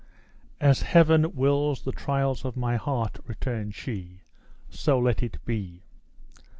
"As Heaven wills the trials of my heart," returned she, "so let it be!"